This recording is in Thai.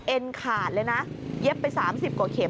ขาดเลยนะเย็บไป๓๐กว่าเข็ม